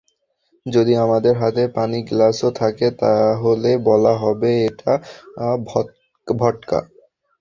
যদি আমাদের হাতে পানির গ্লাসও থাকে, তাহলে বলা হবে এটা ভদকা।